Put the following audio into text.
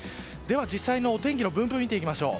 実際のお天気の分布を見ていきましょう。